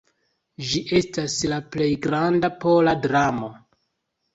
Ĝi estas la plej granda pola dramo.